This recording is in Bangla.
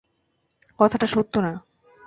কথাটা সত্য না।